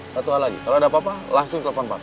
satu hal lagi kalau ada apa apa langsung telepon pak